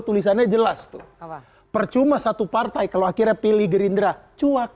tulisannya jelas tuh percuma satu partai kalau akhirnya pilih gerindra cuak